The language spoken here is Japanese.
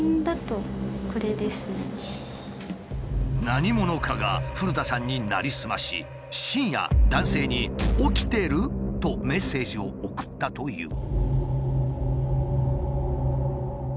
何者かが古田さんになりすまし深夜男性に「起きてる？」とメッセージを送ったという。